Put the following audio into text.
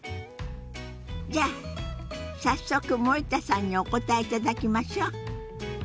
じゃあ早速森田さんにお答えいただきましょう。